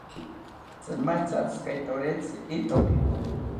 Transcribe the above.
Tzimatzi atzikaitorentzi ithoki